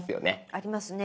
ありますね。